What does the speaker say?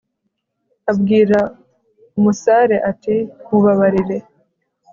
Abwira umusare ati Mubabarire